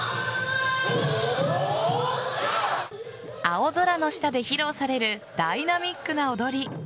青空の下で披露されるダイナミックな踊り。